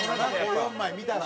４枚見たらな。